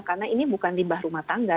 karena ini bukan limbah rumah tangga